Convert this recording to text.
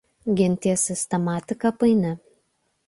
Genties sistematika paini.